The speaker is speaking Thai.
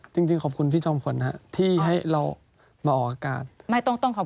จริงจริงขอบคุณพี่จอมฝนฮะที่ให้เรามาออกอากาศไม่ต้องต้องขอบคุณ